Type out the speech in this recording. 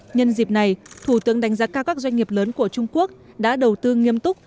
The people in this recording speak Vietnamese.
nhân dịp này thủ tướng đánh giá cao các doanh nghiệp lớn của trung quốc đã đầu tư nghiêm túc